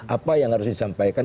apa yang harus disampaikan